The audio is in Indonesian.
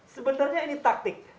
sebenarnya ini taktik